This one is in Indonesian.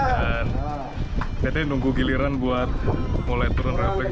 saya sedang menunggu giliran untuk mulai turun rappeling